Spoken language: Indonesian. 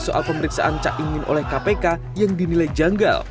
soal pemeriksaan cak imin oleh kpk yang dinilai janggal